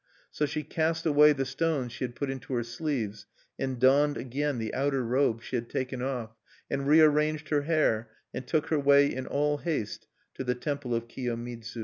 So she cast away the stones she had put into her sleeves, and donned again the outer robe she had taken off, and rearranged her hair, and took her way in all haste to the temple of Kiyomidzu.